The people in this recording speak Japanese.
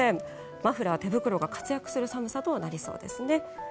マフラー、手袋が活躍する寒さとなりそうですね。